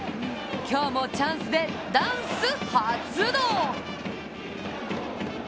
今日もチャンスでダンス発動！